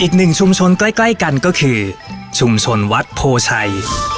อีกหนึ่งชุมชนใกล้กันก็คือชุมชนวัดโพชัย